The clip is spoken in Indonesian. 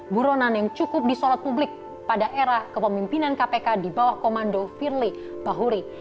buronan yang cukup disorot publik pada era kepemimpinan kpk di bawah komando firly bahuri